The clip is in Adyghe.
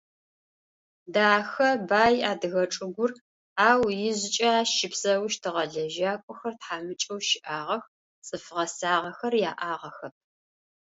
Дахэ, бай адыгэ чӏыгур, ау ижъыкӏэ ащ щыпсэущтыгъэ лэжьакӏохэр тхьамыкӏэу щыӏагъэх, цӏыф гъэсагъэхэр яӏагъэхэп.